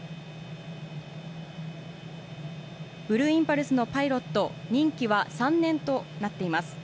ブルーインパルスのパイロット、任期は３年となっています。